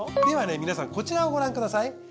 ではね皆さんこちらをご覧ください。